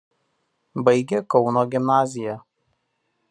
Baigė Kauno gimnaziją.